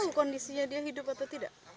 kau tahu kondisinya dia hidup atau tidak